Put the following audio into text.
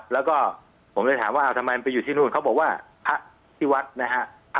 แล้วก็ผมเลยถามว่าทำไมไปอยู่ที่นู่นเขาบอกว่าพระที่วัดนะฮะ